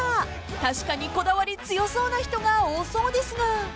［確かにこだわり強そうな人が多そうですが］